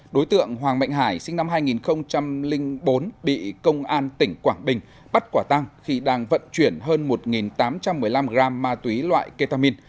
đối tượng hoàng mạnh hải sinh năm hai nghìn bốn bị công an tỉnh quảng bình bắt quả tăng khi đang vận chuyển hơn một tám trăm một mươi năm gram ma túy loại ketamin